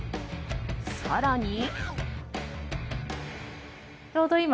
更に。